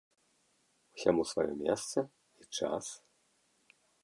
Усяму сваё месца і час.